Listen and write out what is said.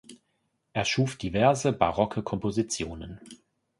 Er schuf diverse barocke Kompositionen.